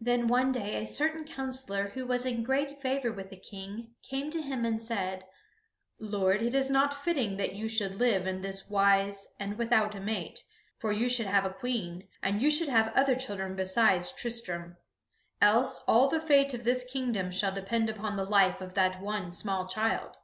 Then one day a certain counsellor who was in great favor with the King came to him and said: "Lord, it is not fitting that you should live in this wise and without a mate; for you should have a queen, and you should have other children besides Tristram, else all the fate of this kingdom shall depend upon the life of that one small child."